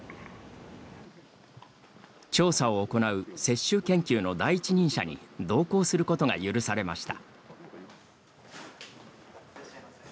調査を行う雪舟研究の第一人者に同行することが許されました。